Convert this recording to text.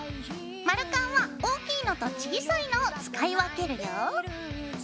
丸カンは大きいのと小さいのを使い分けるよ。